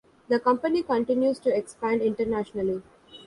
The company continues to expand internationally.